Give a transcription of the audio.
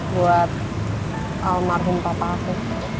buat almarhum papa aku